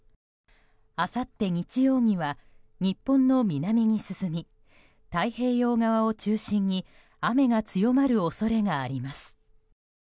あさって日曜には日本の南に進み太平洋側を中心に雨が強まる恐れがあります。